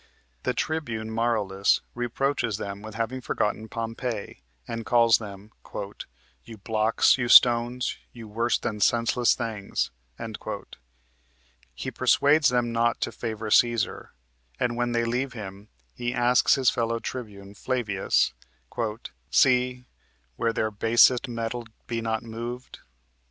The Tribune Marullus reproaches them with having forgotten Pompey, and calls them "You blocks, you stones, you worse than senseless things." He persuades them not to favor Cæsar, and when they leave him he asks his fellow tribune, Flavius, "See, whe'r their basest metal be not moved?"